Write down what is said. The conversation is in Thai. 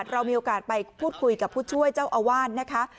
เรามีโอกาสไปพูดคุยกับผู้ช่วยเจ้าอาวาสนะคะ